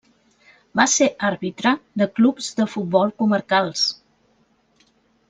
Va ser àrbitre de clubs de futbol comarcals.